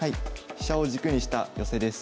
「飛車を軸にした寄せ」です。